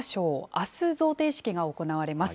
あす、贈呈式が行われます。